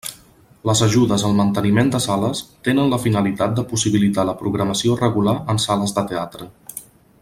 Les ajudes al manteniment de sales tenen la finalitat de possibilitar la programació regular en sales de teatre.